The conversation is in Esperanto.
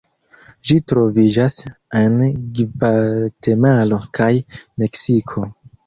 Ĝi troviĝas en Gvatemalo kaj Meksiko.